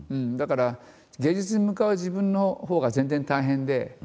だから芸術に向かう自分のほうが全然大変で。